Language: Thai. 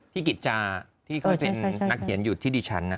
กิจจาที่เคยเป็นนักเขียนอยู่ที่ดิฉัน